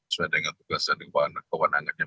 sesuai dengan tugas dan kewenangannya